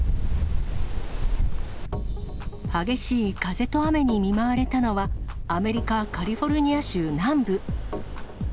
激しい風と雨に見舞われたのは、アメリカ・カリフォルニア州南部。